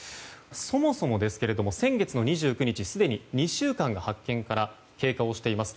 そもそもですが、先月の２９日発見からすでに２週間が経過しています。